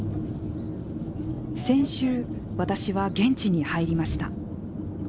先週私は現地に入りました。